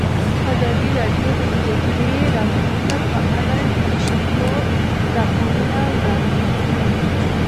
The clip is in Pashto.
ازادي راډیو د د جګړې راپورونه په اړه د شخړو راپورونه وړاندې کړي.